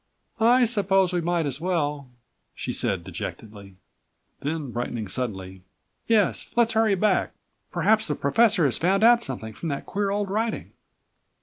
"I suppose we might as well," she said dejectedly. Then brightening suddenly, "Yes, let's hurry back. Perhaps the professor has found out something from that queer old writing."